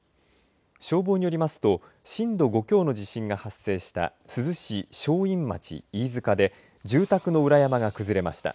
消防によりますと震度５強の地震が発生した珠洲市正院町飯塚で住宅の裏山が崩れました。